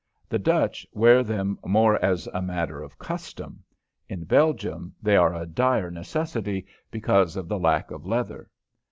The Dutch wear them more as a matter of custom. In Belgium they are a dire necessity because of the lack of leather.